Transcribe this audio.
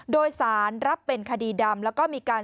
โดยสารรับเป็นคดีดำแล้วก็มีการ